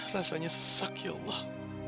rasanya sesak ya allah